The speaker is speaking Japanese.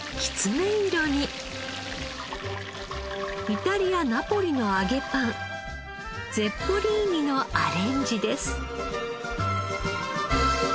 イタリアナポリの揚げパンゼッポリーニのアレンジです。